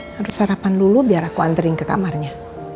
harus sarapan dulu biar aku anthering ke kamarnya